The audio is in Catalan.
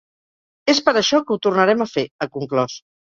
És per això que ho tornarem a fer, ha conclòs.